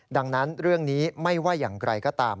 ดังนั้นเรื่องนี้ไม่ว่าอย่างไรก็ตาม